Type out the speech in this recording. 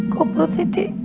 kok perut siti